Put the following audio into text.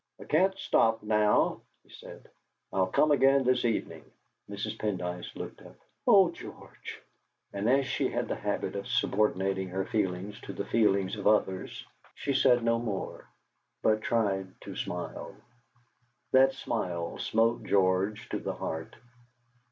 "I can't stop now," he said; "I'll come again this evening." Mrs. Pendyce looked up. "Oh, George" But as she had the habit of subordinating her feelings to the feelings of others, she said no more, but tried to smile. That smile smote George to the heart.